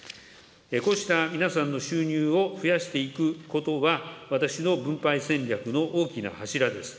こうした皆さんの収入を増やしていくことは、私の分配戦略の大きな柱です。